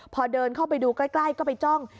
พอเดินเข้าไปดูใกล้ก็ไปจ้อง